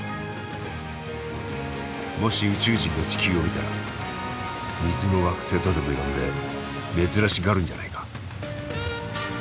もし宇宙人が地球を見たら「水の惑星」とでも呼んで珍しがるんじゃないか？